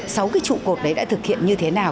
sáu cái trụ cột đấy đã thực hiện như thế nào